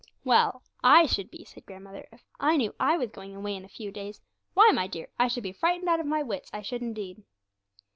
'Well, I should be,' said grandmother, 'if I knew I was going away in a few days; why, my dear, I should be frightened out of my wits, I should indeed.